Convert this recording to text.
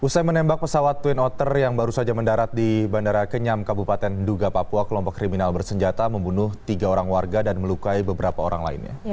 usai menembak pesawat twin otter yang baru saja mendarat di bandara kenyam kabupaten duga papua kelompok kriminal bersenjata membunuh tiga orang warga dan melukai beberapa orang lainnya